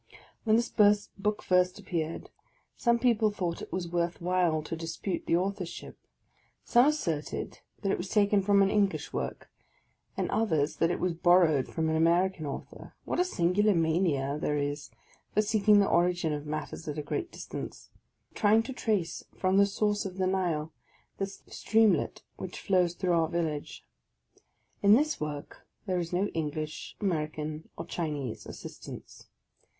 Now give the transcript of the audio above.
When this book first appeared, some people thought it was worth while to dispute the authorship. Some asserted that it was taken from an English work, and others that it was bor rowed from an American author. What a singular mania there is for seeking the origin of matters at a great distance, — trying to trace from the source of the Nile the streamlet which flows through our village ! In this work there is no English, American, or Chinese assistance.